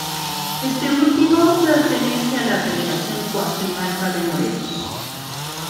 Este último pertenece a la delegación Cuajimalpa de Morelos.